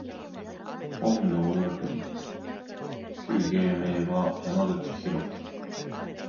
本名および旧芸名は、山口大樹（やまぐちひろき）